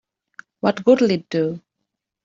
What good'll it do?